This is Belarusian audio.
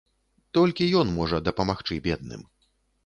Толькі ён можа дапамагчы бедным.